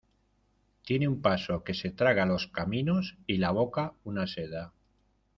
tiene un paso que se traga los caminos, y la boca una seda.